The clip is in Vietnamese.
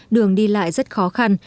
đường đi lại rất khó khăn